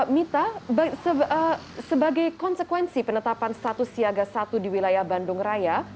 mita sebagai konsekuensi penetapan status siaga satu di wilayah bandung raya